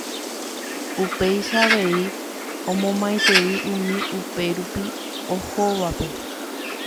upéicha avei omomaitei umi upérupi ohóvape